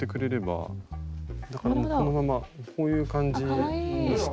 だからこのままこういう感じにして。